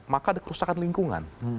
maka ada kerusakan lingkungan